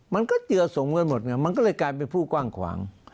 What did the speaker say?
มันก็เจือสมกันหมดไงมันก็เลยกลายเป็นผู้กว้างขวาง